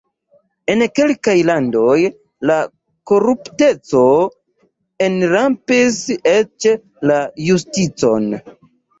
En kelkaj landoj la korupteco enrampis eĉ la justicon.